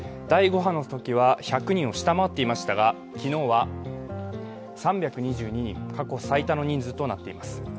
第５波のときは１００人を下回っていましたが昨日は３２２人、過去最多の人数となっています。